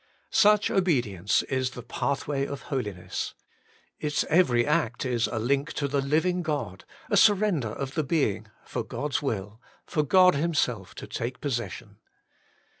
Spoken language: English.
Such obedience is the pathway of holiness. Its every act is a link to the living God, a surrender of the being for God's will, for God Himself to take possession.